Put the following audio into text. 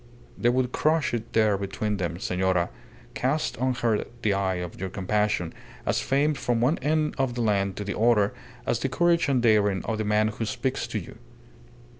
They would crush it there between them. Senora, cast on her the eye of your compassion, as famed from one end of the land to the other as the courage and daring of the man who speaks to you.